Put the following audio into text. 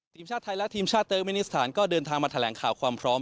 ทีมชาติไทยและทีมชาติเติร์กมินิสถานก็เดินทางมาแถลงข่าวความพร้อม